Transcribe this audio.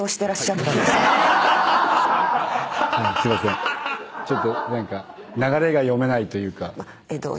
ちょっと何か流れが読めないというか。